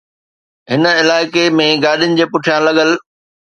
هن علائقي ۾ گاڏين جي پٺيان لڳل